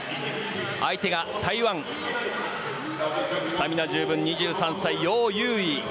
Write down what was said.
相手が台湾、スタミナ十分２３歳、ヨウ・ユウイ。